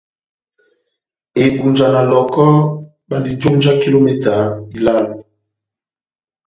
Ebunja na Lɔh᷅ɔkɔ bandi jomu já kilometa ilálo.